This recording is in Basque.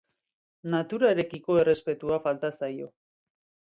Naturarekiko errespetua falta zaio.